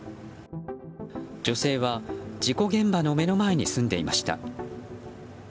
女性は事故現場の目の前に住んでいました。